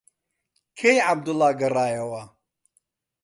کەی عەبدوڵڵا گەڕایەوە؟